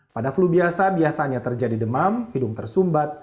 pada flu biasa biasanya terjadi demam hidung tersumbat